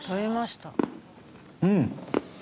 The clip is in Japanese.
うん。